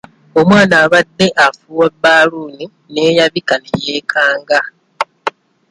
Omwana abadde afuuwa bbaaluuni n'eyabika ne yeekanga.